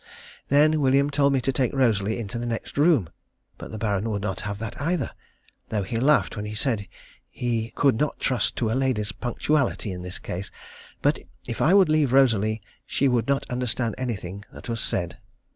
Then William told me to take Rosalie into the next room, but the Baron would not have that either, though he laughed when he said he could not trust to a lady's punctuality in this case, but if I would leave Rosalie she would not understand anything that was said.